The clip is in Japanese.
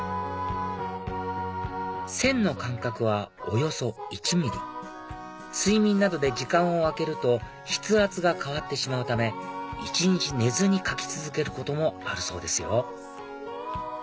線の間隔はおよそ１ｍｍ睡眠などで時間を空けると筆圧が変わってしまうため一日寝ずに描き続けることもあるそうですよ